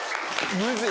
むずい